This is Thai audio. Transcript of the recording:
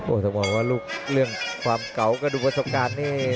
จะบอกว่าลูกเรื่องความเก่ากระดูกประสบการณ์นี่